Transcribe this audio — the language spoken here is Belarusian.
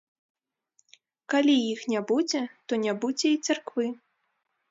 Калі іх не будзе, то не будзе і царквы.